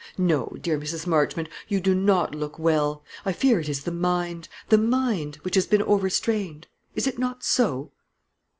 No, dear Mrs. Marchmont, you do not look well. I fear it is the mind, the mind, which has been over strained. Is it not so?"